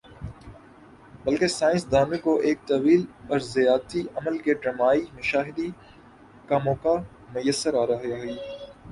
بلکہ سائنس دانوں کو ایک طویل ارضیاتی عمل کی ڈرامائی مشاہدی کا موقع میسر آرہا ہی۔